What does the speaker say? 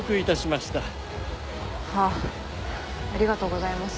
はあありがとうございます。